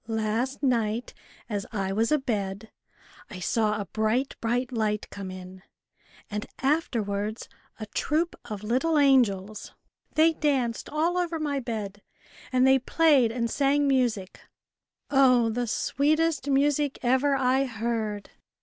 " Last night, as I was abed, I saw a bright, bright light come in, and afterwards a troop of little angels. They danced all over my bed, and they played and sang music oh ! the sweetest music ever I heard.